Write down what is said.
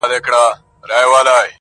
دا د باروتو د اورونو کیسې-